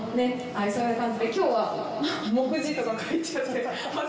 そういう感じで今日は目次とか書いちゃって恥ずかしい。